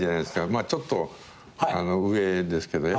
まあちょっと上ですけど。